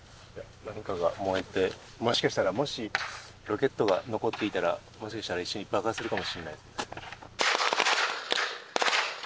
何かが燃えて、もしかしたらロケットが残っていたら、もしかしたら一緒に爆発するかもしれないです。